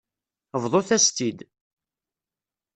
Bḍut-as-tt-id.